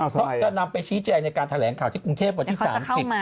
เพราะจะนำไปชี้แจงในการแถลงข่าวที่กรุงเทพวันที่๓๐